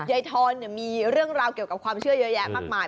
ทอนมีเรื่องราวเกี่ยวกับความเชื่อเยอะแยะมากมาย